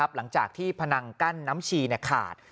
หลังจากที่พนังกั้นน้ำชีขาด